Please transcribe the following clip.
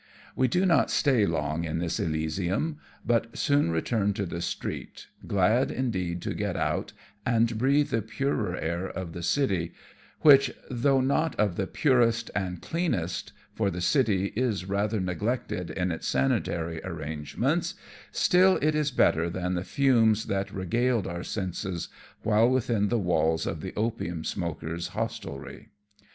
We do not stay long in this elysium, but soon return to the street, glad indeed to get out and breathe the purer air of the city, which, although not of the pures and cleanest, for the city is rather neglected in its sanitary arrangements, still it is better than the fumes 46 AMONG TYPHOONS AND PIRATE CRAFT. which regaled our senses while within the walls of the opium smokers' hostelry.